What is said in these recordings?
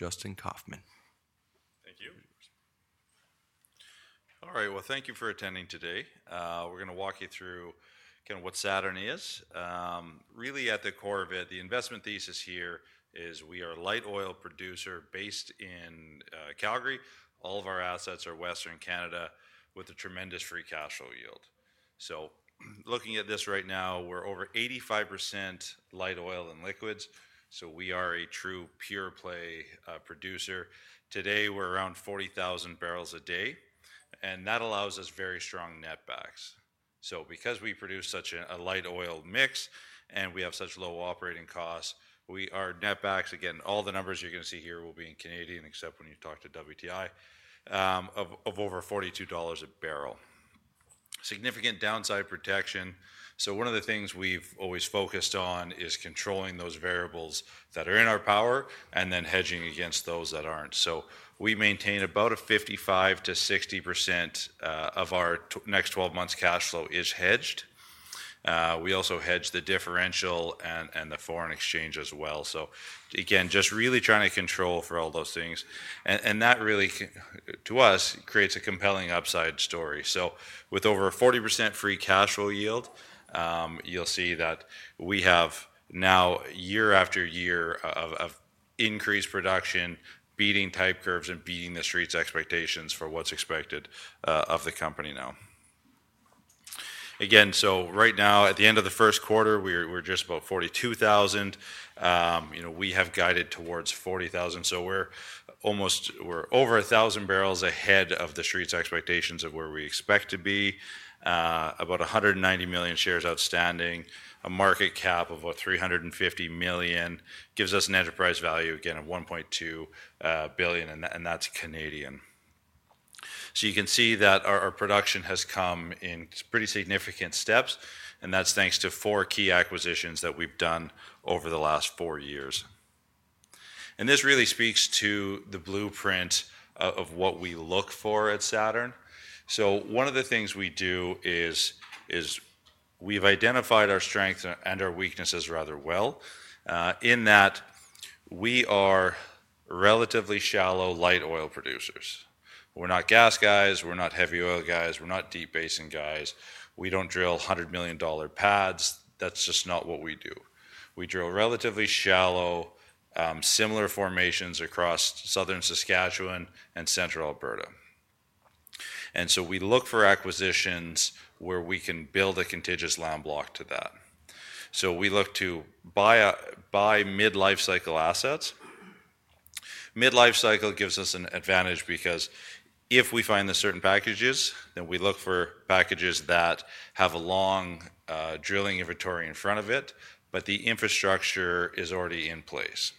Justin Kaufmann. Thank you. All right. Thank you for attending today. We're going to walk you through kind of what Saturn is. Really, at the core of it, the investment thesis here is we are a light oil producer based in Calgary. All of our assets are in Western Canada with a tremendous free cash flow yield. Looking at this right now, we're over 85% light oil and liquids. We are a true pure-play producer. Today, we're around 40,000 barrels a day. That allows us very strong netbacks. Because we produce such a light oil mix and we have such low operating costs, our netbacks—again, all the numbers you're going to see here will be in Canadian dollars except when you talk to WTI—are over $42 a barrel. Significant downside protection. One of the things we've always focused on is controlling those variables that are in our power and then hedging against those that aren't. We maintain about a 55-60% of our next 12 months' cash flow is hedged. We also hedge the differential and the foreign exchange as well. Again, just really trying to control for all those things. That really, to us, creates a compelling upside story. With over a 40% free cash flow yield, you'll see that we have now year after year of increased production, beating type curves and beating the Street's expectations for what's expected of the company now. Again, right now, at the end of the first quarter, we're just about 42,000. We have guided towards 40,000. We're over 1,000 barrels ahead of the Street's expectations of where we expect to be. About 190 million shares outstanding. A market cap of about 350 million gives us an enterprise value, again, of 1.2 billion, and that's Canadian. You can see that our production has come in pretty significant steps. That's thanks to four key acquisitions that we've done over the last four years. This really speaks to the blueprint of what we look for at Saturn. One of the things we do is we've identified our strengths and our weaknesses rather well in that we are relatively shallow light oil producers. We're not gas guys. We're not heavy oil guys. We're not deep basin guys. We don't drill 100 million dollar pads. That's just not what we do. We drill relatively shallow, similar formations across Southern Saskatchewan and Central Alberta. We look for acquisitions where we can build a contiguous land block to that. We look to buy mid-life cycle assets. Mid-life cycle gives us an advantage because if we find the certain packages, then we look for packages that have a long drilling inventory in front of it, but the infrastructure is already in place.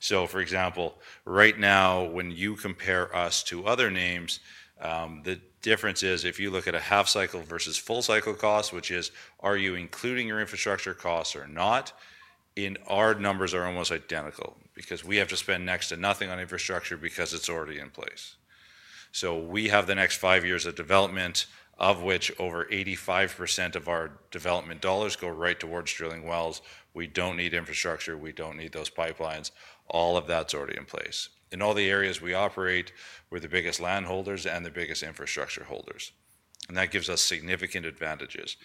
For example, right now, when you compare us to other names, the difference is if you look at a half cycle versus full cycle cost, which is, are you including your infrastructure costs or not, our numbers are almost identical because we have to spend next to nothing on infrastructure because it is already in place. We have the next five years of development, of which over 85% of our development dollars go right towards drilling wells. We do not need infrastructure. We do not need those pipelines. All of that is already in place. In all the areas we operate, we're the biggest landholders and the biggest infrastructure holders. That gives us significant advantages.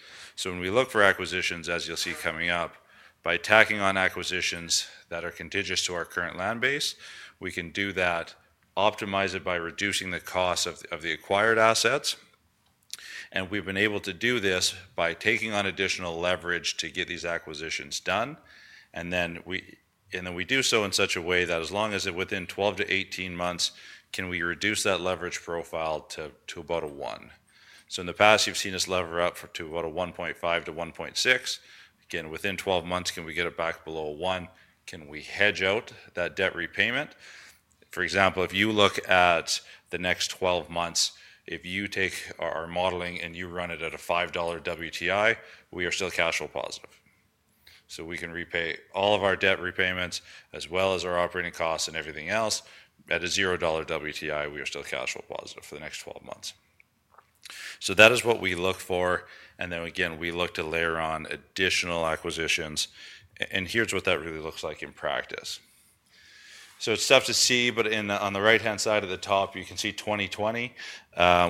When we look for acquisitions, as you'll see coming up, by tacking on acquisitions that are contiguous to our current land base, we can do that, optimize it by reducing the cost of the acquired assets. We've been able to do this by taking on additional leverage to get these acquisitions done. We do so in such a way that as long as within 12-18 months, can we reduce that leverage profile to about a 1. In the past, you've seen us lever up to about a 1.5-1.6. Again, within 12 months, can we get it back below a 1? Can we hedge out that debt repayment? For example, if you look at the next 12 months, if you take our modeling and you run it at a $5 WTI, we are still cash flow positive. We can repay all of our debt repayments as well as our operating costs and everything else. At a $0 WTI, we are still cash flow positive for the next 12 months. That is what we look for. Then again, we look to layer on additional acquisitions. Here is what that really looks like in practice. It is tough to see, but on the right-hand side at the top, you can see 2020,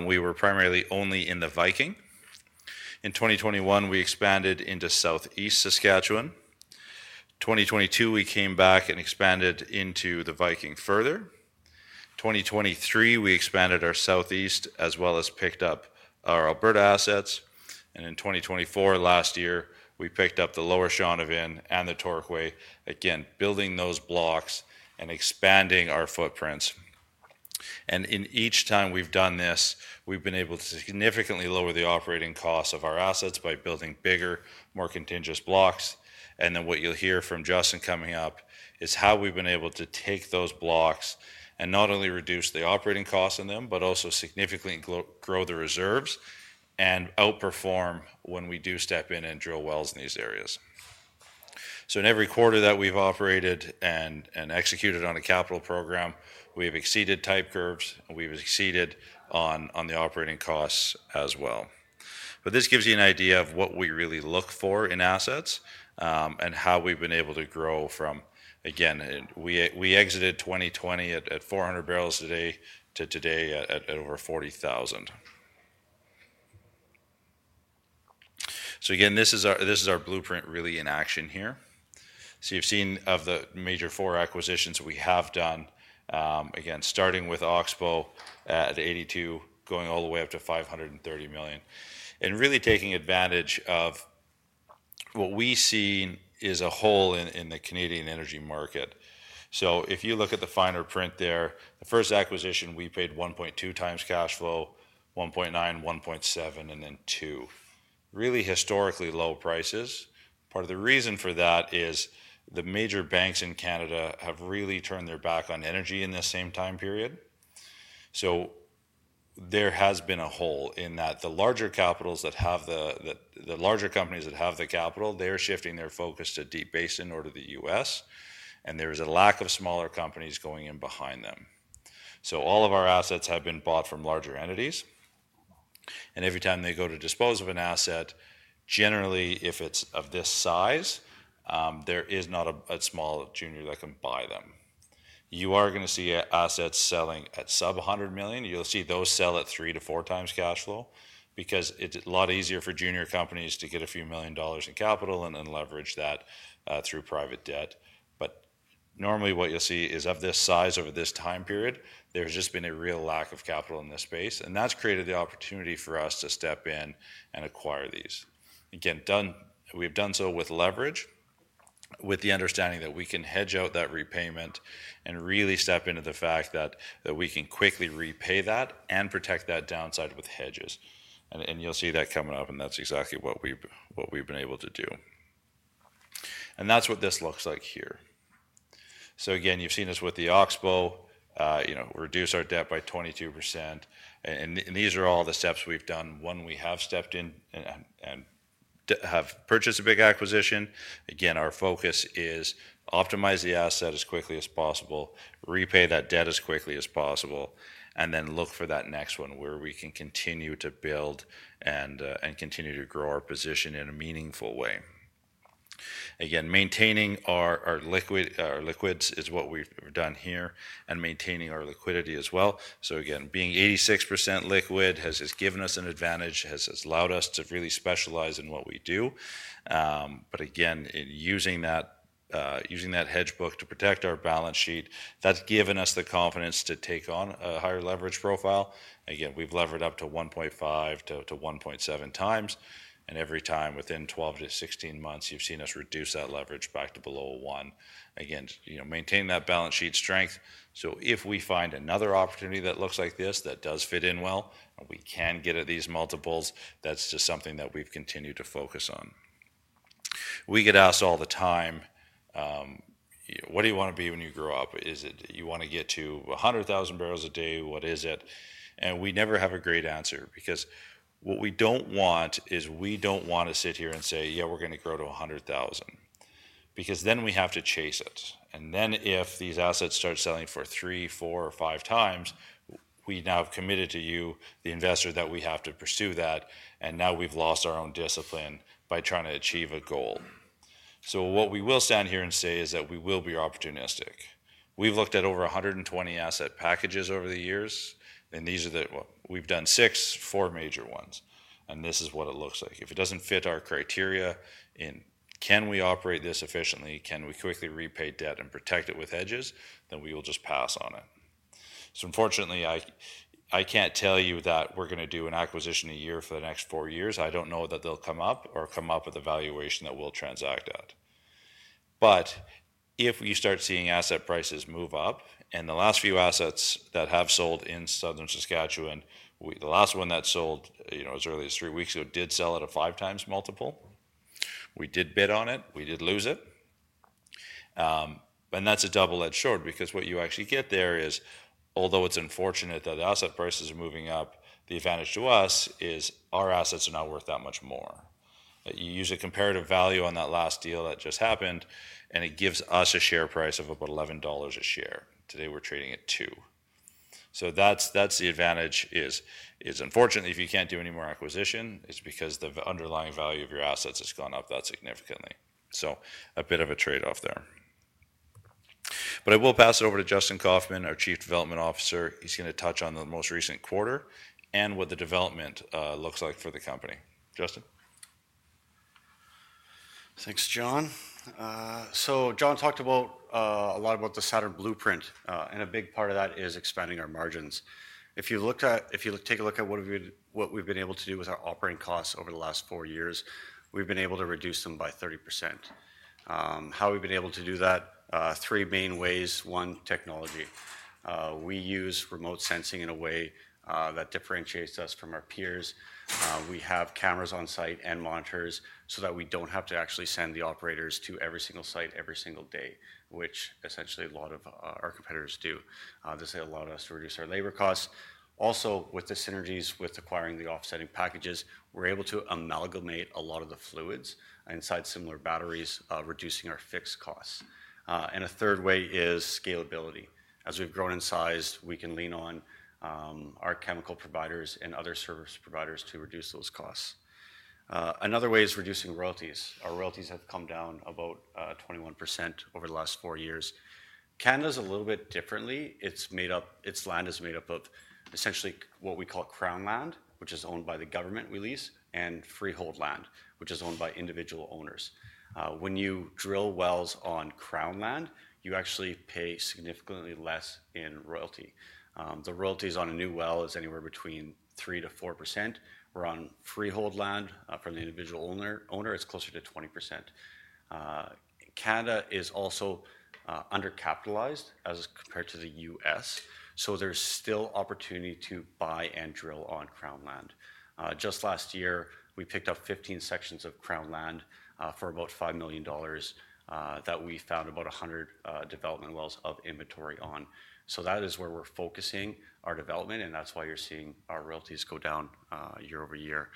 we were primarily only in the Viking. In 2021, we expanded into Southeast Saskatchewan. In 2022, we came back and expanded into the Viking further. In 2023, we expanded our Southeast as well as picked up our Alberta assets. In 2024, last year, we picked up the Lower Shaunavon and the Torquay, again, building those blocks and expanding our footprints. Each time we have done this, we have been able to significantly lower the operating costs of our assets by building bigger, more contiguous blocks. What you will hear from Justin coming up is how we have been able to take those blocks and not only reduce the operating costs in them, but also significantly grow the reserves and outperform when we do step in and drill wells in these areas. In every quarter that we have operated and executed on a capital program, we have exceeded type curves. We have exceeded on the operating costs as well. This gives you an idea of what we really look for in assets and how we've been able to grow from, again, we exited 2020 at 400 barrels a day to today at over 40,000. This is our blueprint really in action here. You've seen of the major four acquisitions we have done, again, starting with Oxbow at 82 million, going all the way up to 530 million. Really taking advantage of what we see is a hole in the Canadian energy market. If you look at the finer print there, the first acquisition, we paid 1.2x cash flow, 1.9x, 1.7x, and then 2x. Really historically low prices. Part of the reason for that is the major banks in Canada have really turned their back on energy in this same time period. There has been a hole in that. The larger capitals that have the larger companies that have the capital, they're shifting their focus to deep basin or to the U.S. There is a lack of smaller companies going in behind them. All of our assets have been bought from larger entities. Every time they go to dispose of an asset, generally, if it's of this size, there is not a small junior that can buy them. You are going to see assets selling at sub-$100 million. You'll see those sell at 3x - 4x cash flow because it's a lot easier for junior companies to get a few million dollars in capital and then leverage that through private debt. Normally what you'll see is of this size over this time period, there's just been a real lack of capital in this space. That has created the opportunity for us to step in and acquire these. Again, we have done so with leverage, with the understanding that we can hedge out that repayment and really step into the fact that we can quickly repay that and protect that downside with hedges. You will see that coming up. That is exactly what we have been able to do. That is what this looks like here. Again, you have seen us with the Oxbow, reduce our debt by 22%. These are all the steps we have done. One, we have stepped in and have purchased a big acquisition. Again, our focus is to optimize the asset as quickly as possible, repay that debt as quickly as possible, and then look for that next one where we can continue to build and continue to grow our position in a meaningful way. Again, maintaining our liquids is what we've done here and maintaining our liquidity as well. Again, being 86% liquid has given us an advantage, has allowed us to really specialize in what we do. Again, using that hedge book to protect our balance sheet, that's given us the confidence to take on a higher leverage profile. Again, we've levered up to 1.5x - 1.7x. Every time within 12-16 months, you've seen us reduce that leverage back to below a 1x. Again, maintain that balance sheet strength. If we find another opportunity that looks like this, that does fit in well, and we can get at these multiples, that's just something that we've continued to focus on. We get asked all the time, "What do you want to be when you grow up? Is it you want to get to 100,000 barrels a day? What is it? We never have a great answer because what we do not want is we do not want to sit here and say, "Yeah, we are going to grow to 100,000." Because then we have to chase it. If these assets start selling for 3x, 4x, or 5x, we now have committed to you, the investor, that we have to pursue that. Now we have lost our own discipline by trying to achieve a goal. What we will stand here and say is that we will be opportunistic. We have looked at over 120 asset packages over the years. We have done six, four major ones. This is what it looks like. If it does not fit our criteria in can we operate this efficiently, can we quickly repay debt and protect it with hedges, then we will just pass on it. Unfortunately, I can't tell you that we're going to do an acquisition a year for the next four years. I don't know that they'll come up or come up with a valuation that we'll transact at. If we start seeing asset prices move up, and the last few assets that have sold in Southern Saskatchewan, the last one that sold as early as three weeks ago did sell at a 5x multiple. We did bid on it. We did lose it. That's a double-edged sword because what you actually get there is, although it's unfortunate that the asset prices are moving up, the advantage to us is our assets are now worth that much more. You use a comparative value on that last deal that just happened, and it gives us a share price of about 11 dollars a share. Today, we're trading at 2. That is the advantage. Unfortunately, if you cannot do any more acquisition, it is because the underlying value of your assets has gone up that significantly. It is a bit of a trade-off there. I will pass it over to Justin Kaufmann, our Chief Development Officer. He is going to touch on the most recent quarter and what the development looks like for the company. Justin. Thanks, John. John talked a lot about the Saturn blueprint. A big part of that is expanding our margins. If you take a look at what we've been able to do with our operating costs over the last four years, we've been able to reduce them by 30%. How we've been able to do that, three main ways. One, technology. We use remote sensing in a way that differentiates us from our peers. We have cameras on site and monitors so that we do not have to actually send the operators to every single site every single day, which essentially a lot of our competitors do. This allowed us to reduce our labor costs. Also, with the synergies with acquiring the offsetting packages, we're able to amalgamate a lot of the fluids inside similar batteries, reducing our fixed costs. A third way is scalability. As we've grown in size, we can lean on our chemical providers and other service providers to reduce those costs. Another way is reducing royalties. Our royalties have come down about 21% over the last four years. Canada is a little bit different. Its land is made up of essentially what we call crown land, which is owned by the government we lease, and freehold land, which is owned by individual owners. When you drill wells on crown land, you actually pay significantly less in royalty. The royalties on a new well is anywhere between 3%-4%. Where on freehold land from the individual owner, it's closer to 20%. Canada is also undercapitalized as compared to the U.S. So there's still opportunity to buy and drill on crown land. Just last year, we picked up 15 sections of crown land for about 5 million dollars that we found about 100 development wells of inventory on. That is where we're focusing our development. That is why you're seeing our royalties go down year over year.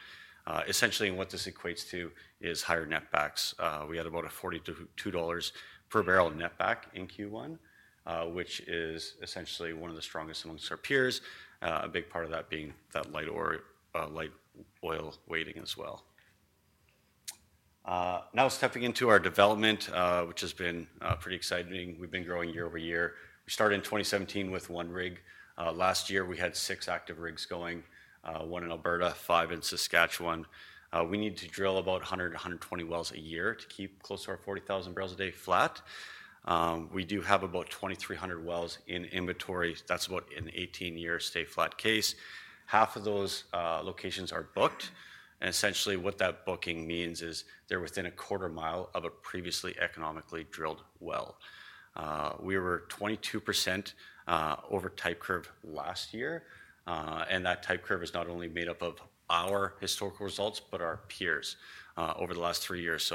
Essentially, what this equates to is higher netback. We had about a 42 dollars per barrel netback in Q1, which is essentially one of the strongest amongst our peers, a big part of that being that light oil weighting as well. Now stepping into our development, which has been pretty exciting. We've been growing year over year. We started in 2017 with one rig. Last year, we had six active rigs going, one in Alberta, five in Saskatchewan. We need to drill about 100-120 wells a year to keep close to our 40,000 barrels a day flat. We do have about 2,300 wells in inventory. That is about an 18-year stay flat case. Half of those locations are booked. Essentially, what that booking means is they are within a quarter mile of a previously economically drilled well. We were 22% over type curve last year. That type curve is not only made up of our historical results, but our peers over the last three years.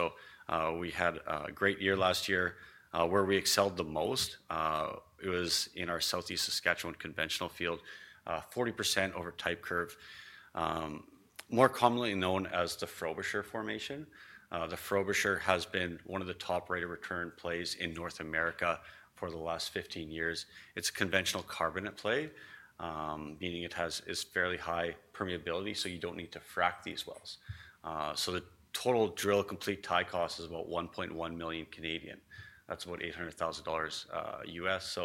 We had a great year last year where we excelled the most. It was in our Southeast Saskatchewan conventional field, 40% over type curve, more commonly known as the Frobisher formation. The Frobisher has been one of the top rate of return plays in North America for the last 15 years. It is a conventional carbonate play, meaning it has fairly high permeability, so you do not need to frac these wells. The total drill complete tie cost is about 1.1 million. That's about $800,000 U.S.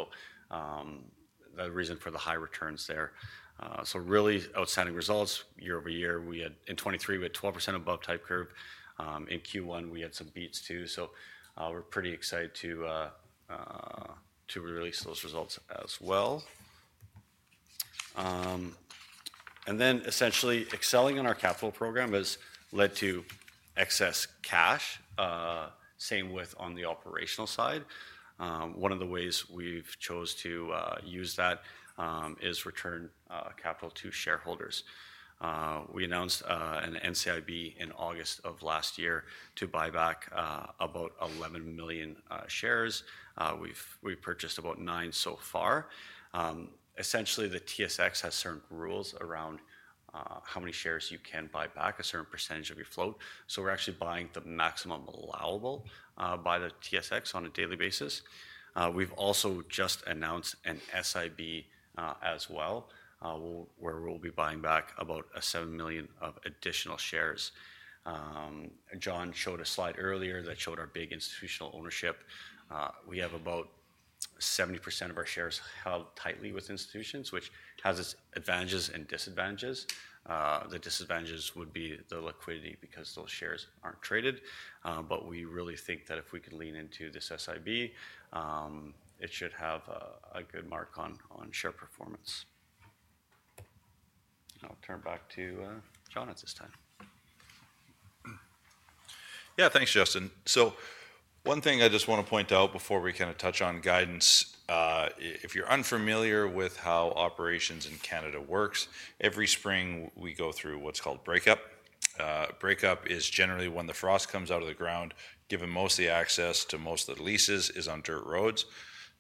That's the reason for the high returns there. Really outstanding results year over year. In 2023, we had 12% above type curve. In Q1, we had some beats too. We're pretty excited to release those results as well. Essentially, excelling on our capital program has led to excess cash, same with on the operational side. One of the ways we've chosen to use that is return capital to shareholders. We announced an NCIB in August of last year to buy back about 11 million shares. We've purchased about nine so far. The TSX has certain rules around how many shares you can buy back, a certain percentage of your float. We're actually buying the maximum allowable by the TSX on a daily basis. We've also just announced an SIB as well, where we'll be buying back about 7 million of additional shares. John showed a slide earlier that showed our big institutional ownership. We have about 70% of our shares held tightly with institutions, which has its advantages and disadvantages. The disadvantages would be the liquidity because those shares aren't traded. We really think that if we can lean into this SIB, it should have a good mark on share performance. I'll turn back to John at this time. Yeah, thanks, Justin. One thing I just want to point out before we kind of touch on guidance, if you're unfamiliar with how operations in Canada work, every spring we go through what's called breakup. Breakup is generally when the frost comes out of the ground, given most of the access to most of the leases is on dirt roads.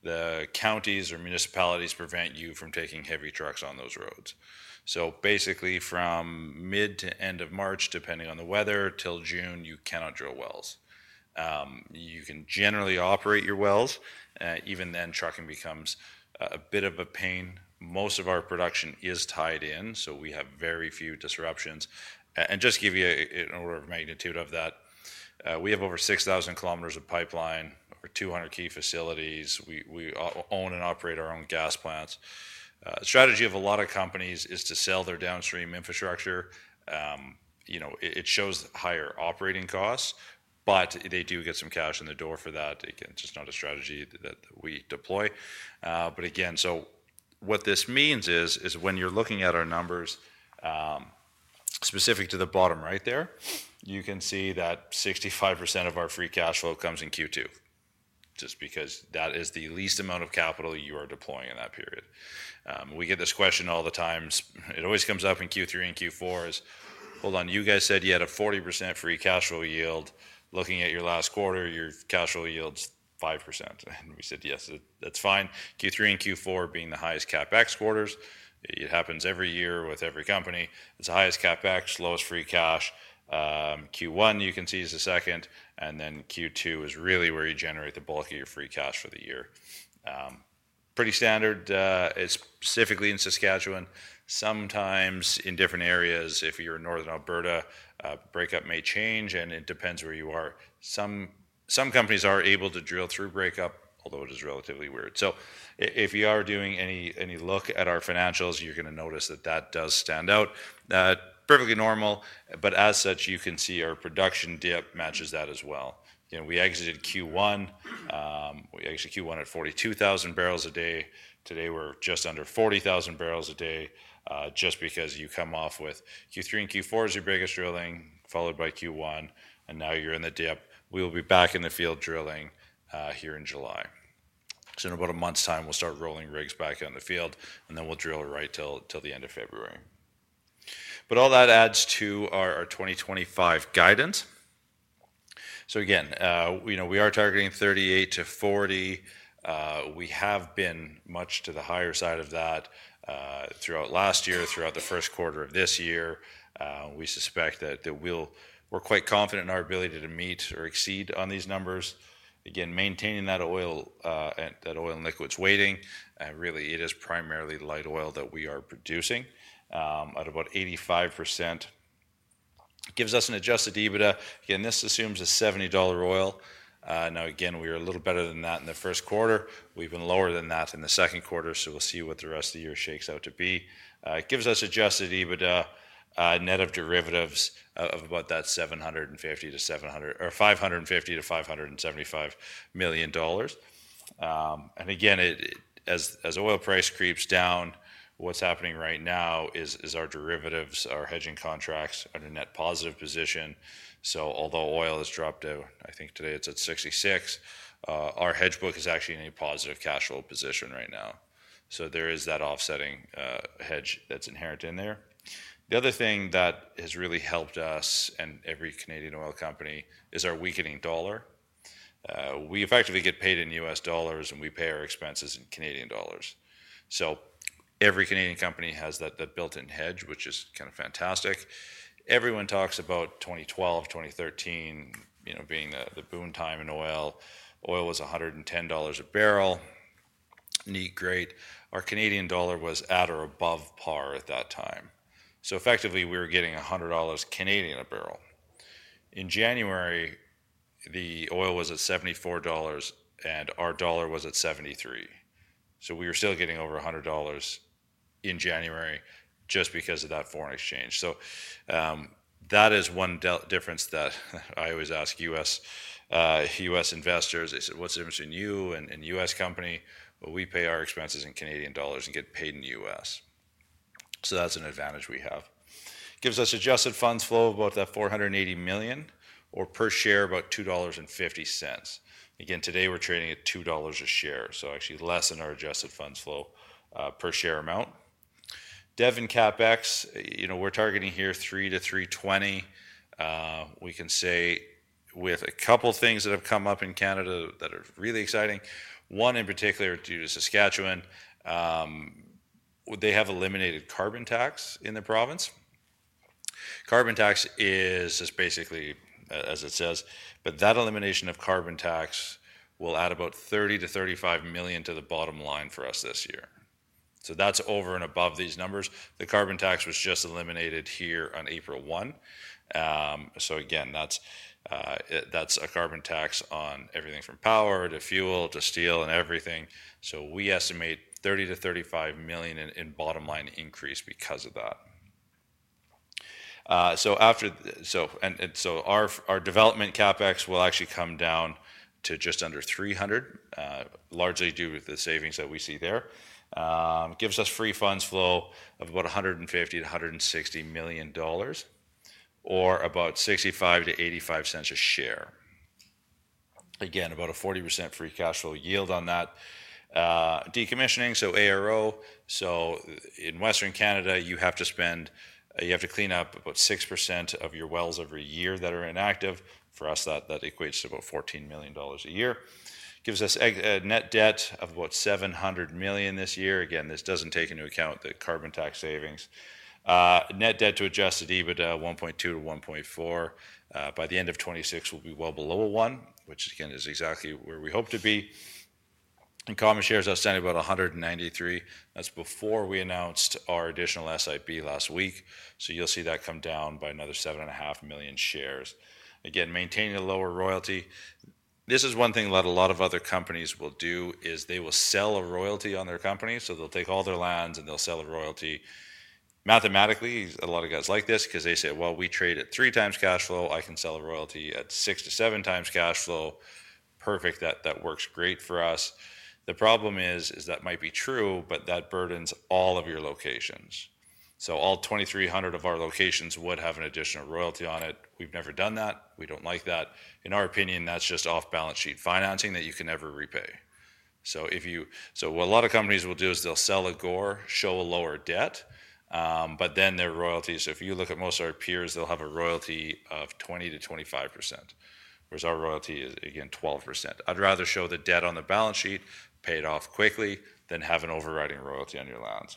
The counties or municipalities prevent you from taking heavy trucks on those roads. Basically, from mid to end of March, depending on the weather, till June, you cannot drill wells. You can generally operate your wells. Even then, trucking becomes a bit of a pain. Most of our production is tied in. We have very few disruptions. Just to give you an order of magnitude of that, we have over 6,000 km of pipeline, over 200 key facilities. We own and operate our own gas plants. The strategy of a lot of companies is to sell their downstream infrastructure. It shows higher operating costs, but they do get some cash in the door for that. Again, just not a strategy that we deploy. What this means is when you're looking at our numbers specific to the bottom right there, you can see that 65% of our free cash flow comes in Q2, just because that is the least amount of capital you are deploying in that period. We get this question all the time. It always comes up in Q3 and Q4 is, "Hold on, you guys said you had a 40% free cash flow yield. Looking at your last quarter, your cash flow yield's 5%." We said, "Yes, that's fine." Q3 and Q4 being the highest CapEx quarters. It happens every year with every company. It's the highest CapEx, lowest free cash. Q1, you can see, is the second. Q2 is really where you generate the bulk of your free cash for the year. Pretty standard. It's specifically in Saskatchewan. Sometimes in different areas, if you're in Northern Alberta, breakup may change, and it depends where you are. Some companies are able to drill through breakup, although it is relatively weird. If you are doing any look at our financials, you're going to notice that that does stand out. Perfectly normal. As such, you can see our production dip matches that as well. We exited Q1 at 42,000 barrels a day. Today, we're just under 40,000 barrels a day, just because you come off with Q3 and Q4 is your biggest drilling, followed by Q1. Now you're in the dip. We will be back in the field drilling here in July. In about a month's time, we'll start rolling rigs back out in the field. We will drill right till the end of February. All that adds to our 2025 guidance. We are targeting 38-40. We have been much to the higher side of that throughout last year, throughout the first quarter of this year. We suspect that we're quite confident in our ability to meet or exceed on these numbers. Again, maintaining that oil and liquids weighting. It is primarily light oil that we are producing at about 85%. It gives us an adjusted EBITDA. This assumes a $70 oil. We are a little better than that in the first quarter. We have been lower than that in the second quarter. We'll see what the rest of the year shakes out to be. It gives us adjusted EBITDA net of derivatives of about that $550 million-$575 million. Again, as oil price creeps down, what's happening right now is our derivatives, our hedging contracts are in a net positive position. Although oil has dropped to, I think today it's at $66, our hedge book is actually in a positive cash flow position right now. There is that offsetting hedge that's inherent in there. The other thing that has really helped us and every Canadian oil company is our weakening dollar. We effectively get paid in U.S. dollars, and we pay our expenses in Canadian dollars. Every Canadian company has that built-in hedge, which is kind of fantastic. Everyone talks about 2012, 2013 being the boom time in oil. Oil was $110 a barrel, neat, great. Our Canadian dollar was at or above par at that time. So effectively, we were getting 100 Canadian dollars a barrel. In January, the oil was at $74, and our dollar was at 73. So we were still getting over 100 dollars in January just because of that foreign exchange. That is one difference that I always ask U.S. investors. They said, "What's the difference between you and a U.S. company?" We pay our expenses in Canadian dollars and get paid in the U.S. So that's an advantage we have. It gives us adjusted funds flow of about that 480 million or per share, about 2.50 dollars. Again, today we're trading at 2 dollars a share. So actually less than our adjusted funds flow per share amount. Dev and CapEx, we're targeting here 300-320. We can say with a couple of things that have come up in Canada that are really exciting. One in particular due to Saskatchewan, they have eliminated carbon tax in the province. Carbon tax is just basically as it says. That elimination of carbon tax will add about 30 million-35 million to the bottom line for us this year. That is over and above these numbers. The carbon tax was just eliminated here on April 1. That is a carbon tax on everything from power to fuel to steel and everything. We estimate 30 million-35 million in bottom line increase because of that. Our development CapEx will actually come down to just under 300 million, largely due to the savings that we see there. It gives us free funds flow of about 150 million-160 million dollars or about 0.65-0.85 a share. Again, about a 40% free cash flow yield on that. Decommissioning, so ARO. In Western Canada, you have to spend, you have to clean up about 6% of your wells every year that are inactive. For us, that equates to about 14 million dollars a year. It gives us net debt of about 700 million this year. Again, this does not take into account the carbon tax savings. Net debt to adjusted EBITDA 1.2-1.4. By the end of 2026, we will be well below a 1, which again is exactly where we hope to be. Common shares outstanding about 193 million. That is before we announced our additional SIB last week. You will see that come down by another 7.5 million shares. Again, maintaining a lower royalty. This is one thing that a lot of other companies will do is they will sell a royalty on their company. They'll take all their lands and they'll sell a royalty. Mathematically, a lot of guys like this because they say, "We trade at three times cash flow. I can sell a royalty at 6x - 7x cash flow. Perfect. That works great for us." The problem is that might be true, but that burdens all of your locations. All 2,300 of our locations would have an additional royalty on it. We've never done that. We don't like that. In our opinion, that's just off-balance sheet financing that you can never repay. What a lot of companies will do is they'll sell a GORR, show a lower debt, but then their royalty. If you look at most of our peers, they'll have a royalty of 20%-25%, whereas our royalty is, again, 12%. I'd rather show the debt on the balance sheet, pay it off quickly, than have an overriding royalty on your lands.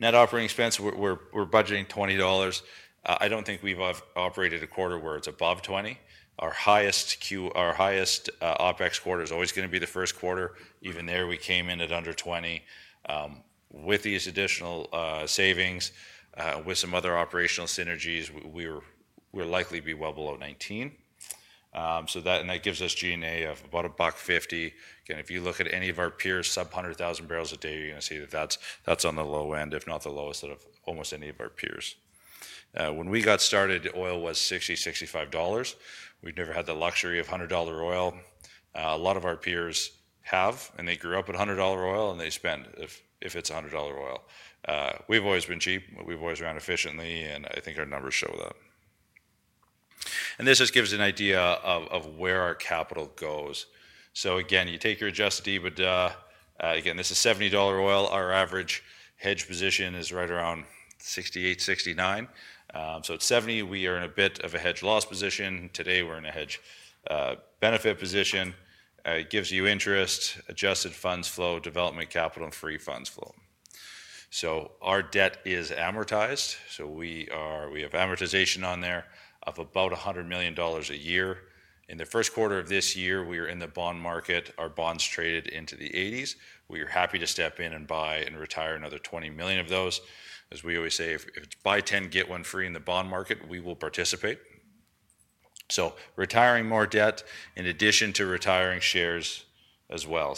Net operating expense, we're budgeting 20 dollars. I don't think we've operated a quarter where it's above 20. Our highest OPEX quarter is always going to be the first quarter. Even there, we came in at under 20. With these additional savings, with some other operational synergies, we'll likely be well below 19. That gives us G&A of about 1.50. Again, if you look at any of our peers, sub-100,000 barrels a day, you're going to see that that's on the low end, if not the lowest of almost any of our peers. When we got started, oil was 60 dollars-CAD65. We've never had the luxury of $100 oil. A lot of our peers have, and they grew up at 100 dollar oil, and they spend if it's 100 dollar oil. We've always been cheap. We've always run efficiently, and I think our numbers show that. This just gives an idea of where our capital goes. Again, you take your adjusted EBITDA. Again, this is 70 dollar oil. Our average hedge position is right around 68-69. At 70, we are in a bit of a hedge loss position. Today, we are in a hedge benefit position. It gives you interest, adjusted funds flow, development capital, and free funds flow. Our debt is amortized. We have amortization on there of about 100 million dollars a year. In the first quarter of this year, we are in the bond market. Our bonds traded into the 80s. We are happy to step in and buy and retire another 20 million of those. As we always say, if it is buy 10, get one free in the bond market, we will participate. Retiring more debt in addition to retiring shares as well.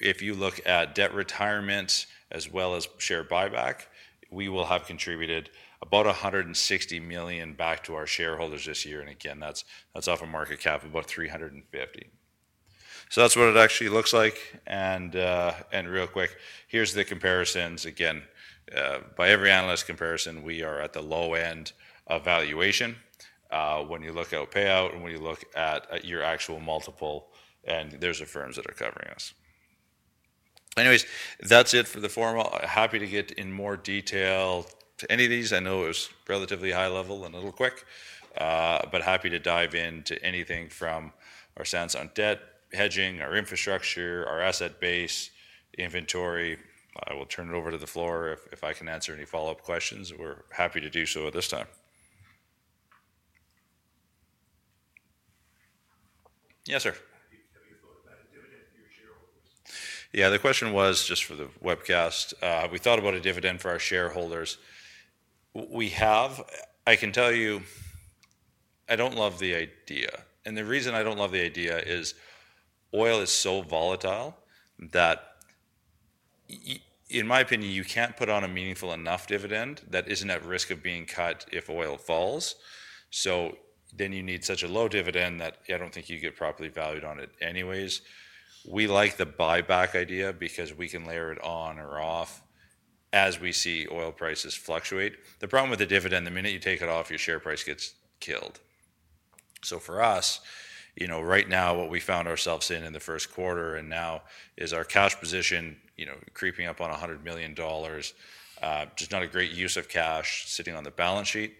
If you look at debt retirement as well as share buyback, we will have contributed about 160 million back to our shareholders this year. Again, that is off of market cap of about 350 million. That is what it actually looks like. Real quick, here is the comparisons. Again, by every analyst comparison, we are at the low end of valuation when you look at payout and when you look at your actual multiple. There is the firms that are covering us. Anyways, that is it for the formal. Happy to get in more detail to any of these. I know it was relatively high level and a little quick, but happy to dive into anything from our sense on debt, hedging, our infrastructure, our asset base, inventory. I will turn it over to the floor if I can answer any follow-up questions. We're happy to do so at this time. Yes, sir. Have you thought about a dividend for your shareholders? Yeah, the question was just for the webcast. We thought about a dividend for our shareholders. We have. I can tell you, I do not love the idea. And the reason I do not love the idea is oil is so volatile that, in my opinion, you cannot put on a meaningful enough dividend that is not at risk of being cut if oil falls. You need such a low dividend that I do not think you get properly valued on it anyways. We like the buyback idea because we can layer it on or off as we see oil prices fluctuate. The problem with the dividend, the minute you take it off, your share price gets killed. For us, right now, what we found ourselves in in the first quarter and now is our cash position creeping up on 100 million dollars. Just not a great use of cash sitting on the balance sheet.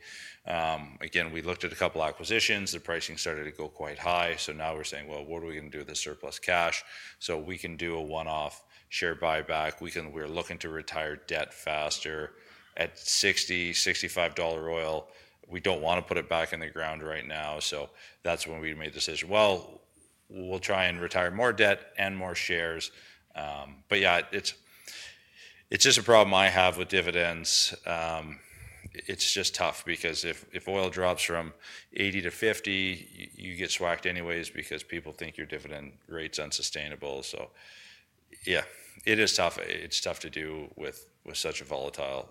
Again, we looked at a couple of acquisitions. The pricing started to go quite high. Now we are saying, "What are we going to do with the surplus cash?" We can do a one-off share buyback. We are looking to retire debt faster at 60-65 dollar oil. We do not want to put it back in the ground right now. That is when we made the decision. We will try and retire more debt and more shares. Yeah, it's just a problem I have with dividends. It's just tough because if oil drops from 80 to 50, you get swagged anyways because people think your dividend rate's unsustainable. It is tough. It's tough to do with such a volatile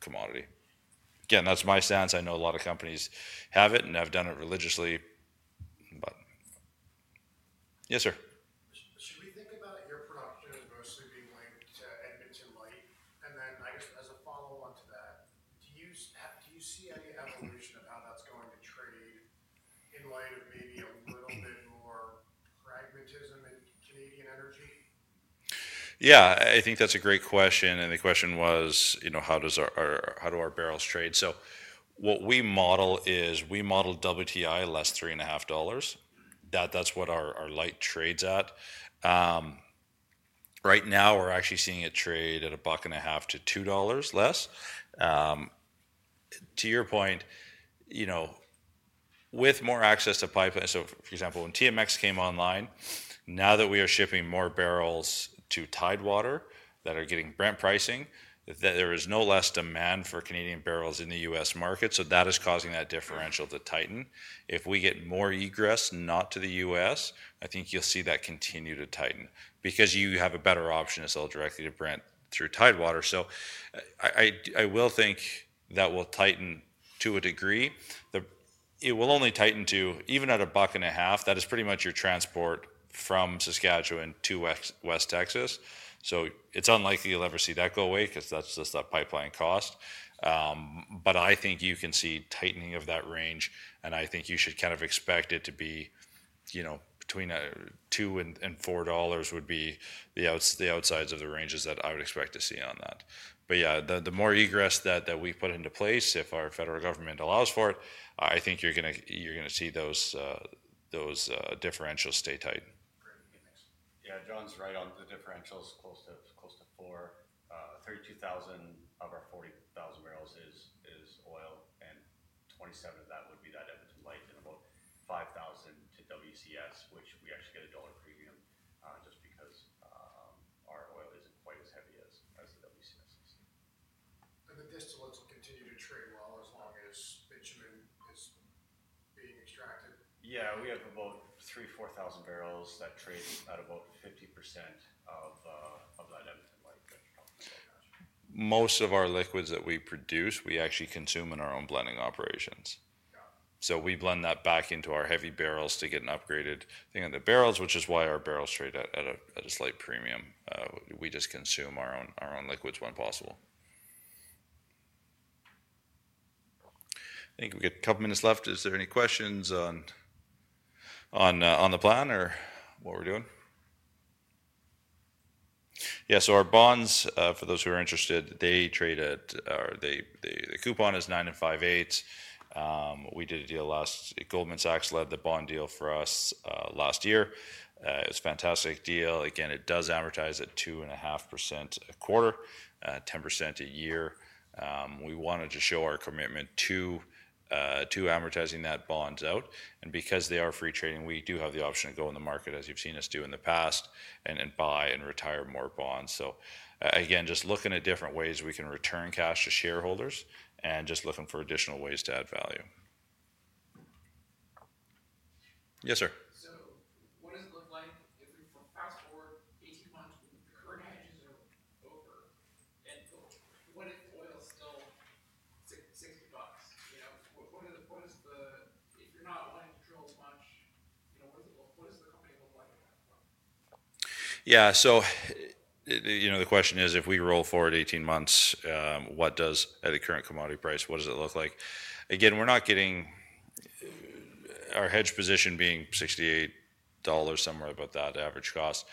commodity. Again, that's my stance. I know a lot of companies have it, and I've done it religiously. Yes, sir. Should we think about your production mostly being linked to Edmonton Light? And then I guess as a follow-on to that, do you see any evolution of how that's going to trade in light of maybe a little bit more pragmatism in Canadian energy? I think that's a great question. The question was, how do our barrels trade? What we model is we model WTI less $3.50. That's what our light trades at. Right now, we're actually seeing it trade at $1.50-$2 less. To your point, with more access to pipeline, for example, when TMX came online, now that we are shipping more barrels to Tidewater that are getting Brent pricing, there is no less demand for Canadian barrels in the U.S. market. That is causing that differential to tighten. If we get more egress not to the U.S., I think you'll see that continue to tighten because you have a better option to sell directly to Brent through Tidewater. I will think that will tighten to a degree. It will only tighten to even at $1.50. That is pretty much your transport from Saskatchewan to West Texas. It's unlikely you'll ever see that go away because that's just that pipeline cost. I think you can see tightening of that range. I think you should kind of expect it to be between $2 and $4 would be the outsides of the ranges that I would expect to see on that. Yeah, the more egress that we put into place, if our federal government allows for it, I think you're going to see those differentials stay tight. Yeah, John's right on the differentials close to $4.32,000 of our 40,000 barrels is oil. 27,000 of that would be that Edmonton Light and about 5,000 to WCS, which we actually get a dollar premium just because our oil isn't quite as heavy as the WCS is. The distillates will continue to trade well as long as bitumen is being extracted. Yeah, we have about 3,000-4,000 barrels that trade at about 50% of that Edmonton Light that you're talking about. Most of our liquids that we produce, we actually consume in our own blending operations. We blend that back into our heavy barrels to get an upgraded thing in the barrels, which is why our barrels trade at a slight premium. We just consume our own liquids when possible. I think we've got a couple of minutes left. Is there any questions on the plan or what we're doing? Yeah, so our bonds, for those who are interested, they trade at the coupon is 9 5/8%. We did a deal last. Goldman Sachs led the bond deal for us last year. It was a fantastic deal. Again, it does amortize at 2.5% a quarter, 10% a year. We wanted to show our commitment to amortizing that bonds out. Because they are free trading, we do have the option to go in the market, as you've seen us do in the past, and buy and retire more bonds. Again, just looking at different ways we can return cash to shareholders and just looking for additional ways to add value. Yes, sir. What does it look like if we fast forward 18 months when the current hedges are over? And what if oil is still $60? What is the, if you're not wanting to drill as much, what does the company look like at that point? Yeah, the question is, if we roll forward 18 months, at the current commodity price, what does it look like? Again, we're not getting our hedge position being CAD 68, somewhere about that average cost.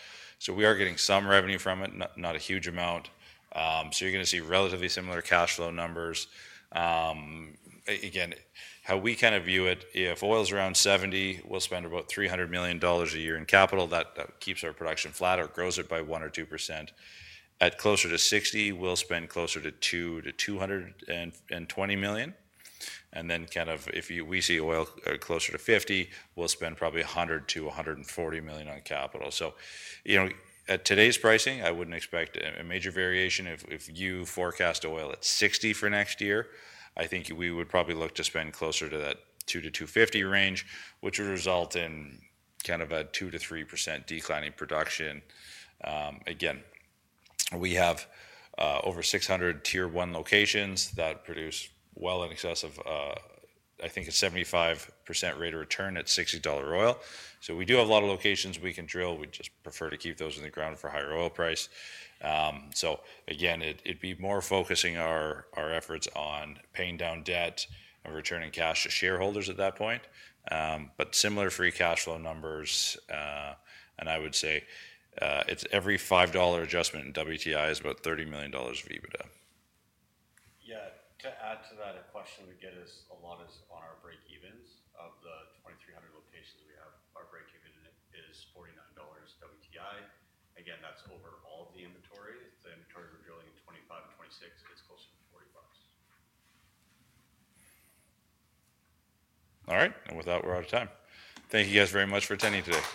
We are getting some revenue from it, not a huge amount. You're going to see relatively similar cash flow numbers. Again, how we kind of view it, if oil's around 70, we'll spend about 300 million dollars a year in capital. That keeps our production flat or grows it by 1% or 2%. At closer to $60, we'll spend closer to 200-220 million. If we see oil closer to 50, we'll spend probably 100-140 million on capital. At today's pricing, I wouldn't expect a major variation. If you forecast oil at 60 for next year, I think we would probably look to spend closer to that 200-250 million range, which would result in a 2-3% declining production. Again, we have over 600 tier one locations that produce well in excess of, I think, a 75% rate of return at CAD 60 oil. We do have a lot of locations we can drill. We just prefer to keep those in the ground for higher oil price. It would be more focusing our efforts on paying down debt and returning cash to shareholders at that point. Similar free cash flow numbers. I would say every $5 adjustment in WTI is about 30 million dollars of EBITDA. To add to that, a question we get a lot is